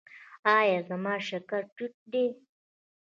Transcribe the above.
ایا زما شکر ټیټ دی؟